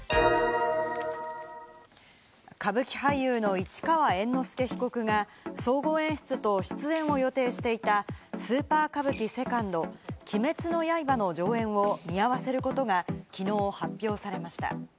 歌舞伎俳優の市川猿之助被告が総合演出と出演を予定していた『スーパー歌舞伎２鬼滅の刃』の上演を見合わせることがきのう発表されました。